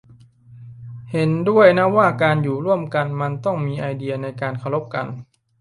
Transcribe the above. เห็นด้วยนะว่าการอยู่ร่วมกันมันต้องมีไอเดียในการเคารพกัน